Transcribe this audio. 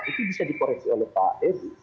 itu bisa dikoreksi oleh pak edi